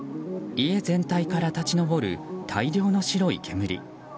家全体から立ち上る大量の白い煙。